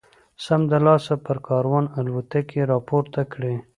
سمدلاسه پر کاروان الوتکې را پورته کړي.